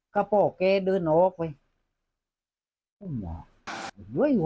ข้าบอกแก่เดินออกไป